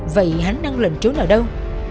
vậy hắn đang lẩn trốn ở đâu